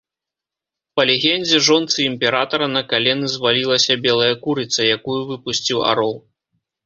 Па легендзе, жонцы імператара на калены звалілася белая курыца, якую выпусціў арол.